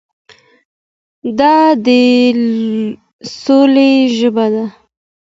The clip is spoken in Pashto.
دا د سولې ژبه ده.